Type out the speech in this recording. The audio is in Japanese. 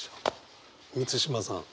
満島さん。